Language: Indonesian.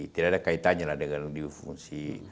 tidak ada kaitannya dengan dwi fungsi